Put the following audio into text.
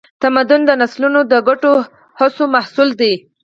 تمدن د نسلونو د ګډو هڅو محصول دی.